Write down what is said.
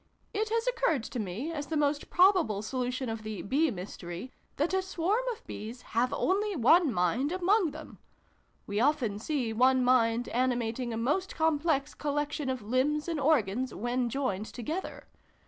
"It has occurred to me, as the most probable solution of the ' Bee ' mystery, that a swarm of Bees have only one mind among them. We often see one mind animating a most complex collection of limbs and organs, when joined together.